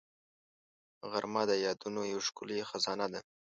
غرمه د یادونو یو ښکلې خزانه ده